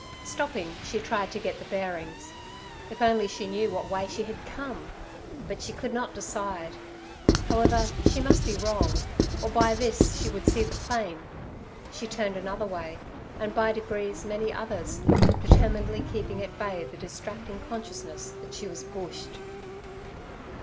Stopping, she tried to get the bearings. If only she knew what way she had come! But she could not decide. However, she must be wrong, or by this she would see the plain. She turned another way, and by degrees many others, determinedly keeping at bay the distracting consciousness that she was bushed.